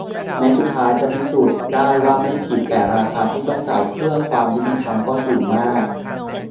แม้สุดท้ายจะพิสูจน์ได้ว่าไม่ผิด แต่ราคาที่ต้องจ่ายเพื่อความยุติธรรมก็สูงมาก